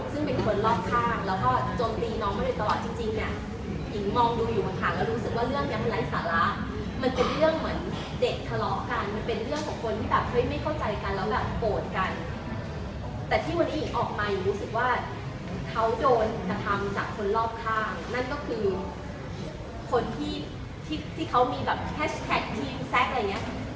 ซึ่งเป็นคนรอบข้างแล้วก็จมตีน้องมาเลยตลอดจริงจริงเนี้ย